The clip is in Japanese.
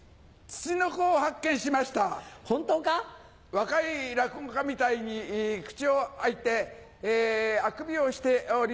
若い落語家みたいに口を開いてあくびをしておりますが。